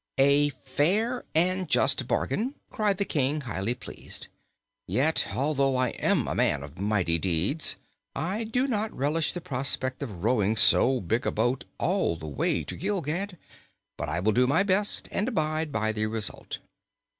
"A fair and just bargain!" cried the King, highly pleased. "Yet, although I am a man of mighty deeds, I do not relish the prospect of rowing so big a boat all the way to Gilgad. But I will do my best and abide by the result."